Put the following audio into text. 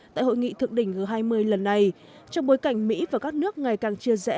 tại hội nghị thượng đỉnh g hai mươi lần này trong bối cảnh mỹ và các nước ngày càng chia rẽ